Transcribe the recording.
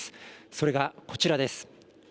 それがこちらです。